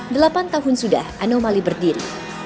delapan tahun sudah anomali berdiri